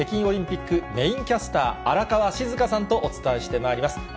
オリンピックメインキャスター、荒川静香さんとお伝えしてまいります。